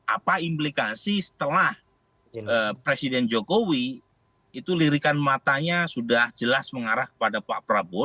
apa implikasi setelah presiden jokowi itu lirikan matanya sudah jelas mengarah kepada pak prabowo